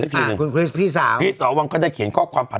ซักทีหนึ่งอ่าคุณคุณพี่สาวพี่สาวฮอวงก็ได้เขียนข้อกรองความผ่าน